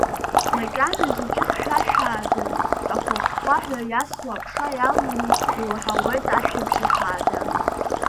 Макьаназ иҿыхьшәашәааӡа, ахәхәа-хәхәаҳәа иасуа аԥша иалыҩны иуаҳауеит ашәабжьы хааӡа.